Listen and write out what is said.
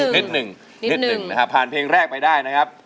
นิดหนึ่งนิดหนึ่งนะครับผ่านเพลงแรกไปได้นะครับ